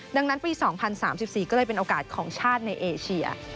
ดังนั้นปี๒๐๓๔ก็เลยเป็นโอกาสของชาติในเอเชีย